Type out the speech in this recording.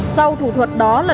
sau thủ thuật đó là